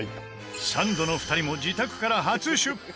サンドの２人も自宅から初出品